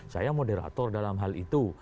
saya moderator dalam hal itu